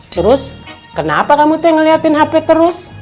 terus kenapa kamu tuh ngeliatin hp terus